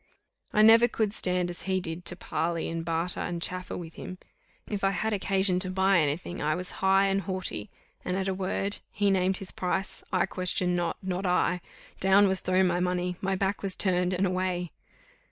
I never could stand as he did to parley, and barter, and chaffer with him if I had occasion to buy any thing, I was high and haughty, and at a word; he named his price, I questioned not, not I down was thrown my money, my back was turned and away!